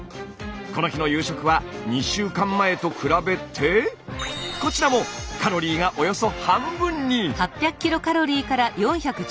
この日の夕食は２週間前と比べてこちらもカロリーがおよそ半分に！